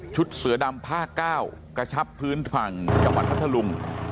ชุดเสือดำผ้าก้าวกระชับพื้นฟังจังหวัดพัทธรุง